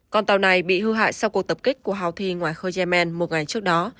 con tàu này bị hư hại sau cuộc tập kích của houthi ngoài khơi yemen một ngày trước đó